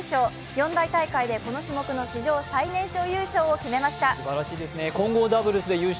四大大会でこの種目の最年少優勝を決めました。